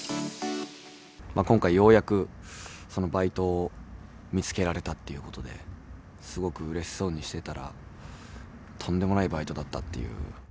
今回ようやく、バイトを見つけられたっていうことで、すごくうれしそうにしてたら、とんでもないバイトだったっていう。